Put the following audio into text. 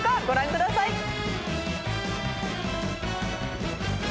ご覧ください。